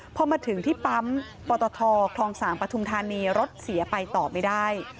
พอมาถึงที่ปั๊มปตทคลอง๓ปทุมธานีรถเสียไปต่อไม่ได้